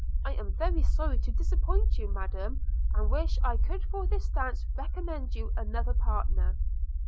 I am very sorry to disappoint you, Madam; and wish I could for this dance recommend you another partner.'